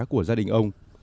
của gia đình ông